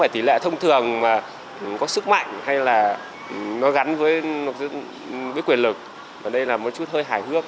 tỷ lệ thông thường có sức mạnh hay là nó gắn với quyền lực và đây là một chút hơi hài hước